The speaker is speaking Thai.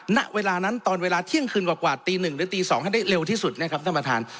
ณเวลานั้นตอนเวลาเที่ยงคืนกว่าตี๑หรือตี๒ให้ได้เร็วที่สุดนะครับท่านประธาน